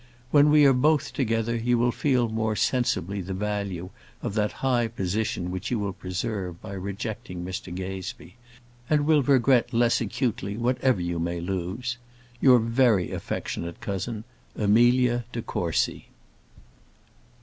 When we are both together, you will feel more sensibly the value of that high position which you will preserve by rejecting Mr Gazebee, and will regret less acutely whatever you may lose. Your very affectionate cousin, AMELIA DE COURCY.